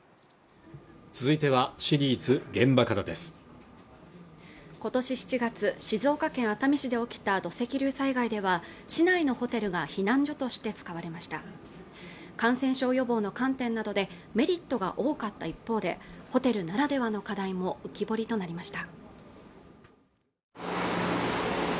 続いてはシリーズ「現場から」です今年７月静岡県熱海市で起きた土石流災害では市内のホテルが避難所として使われました感染症予防の観点などでメリットが多かった一方でホテルならではの課題も浮き彫りとなりました